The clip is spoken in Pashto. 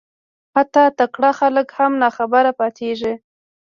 حتی تکړه خلک هم ناخبره پاتېږي